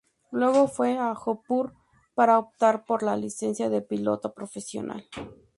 Luego fue a Jodhpur para optar por la licencia de piloto profesional.